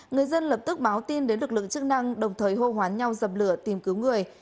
người dân lập tức báo tin đến lực lượng chức năng đồng thời hô hoán nhau dập lửa tìm kiếm cứu người